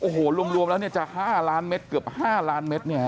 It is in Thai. โอ้โหรวมแล้วเนี่ยจะ๕ล้านเมตรเกือบ๕ล้านเม็ดเนี่ยฮ